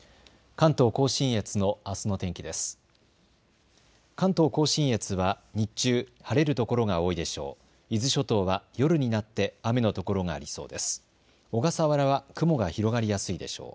関東甲信越は日中、晴れるところが多いでしょう。